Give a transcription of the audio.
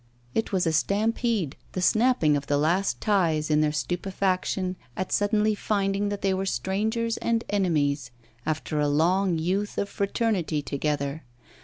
It was a stampede, the snapping of the last ties, in their stupefaction at suddenly finding that they were strangers and enemies, after a long youth of fraternity together.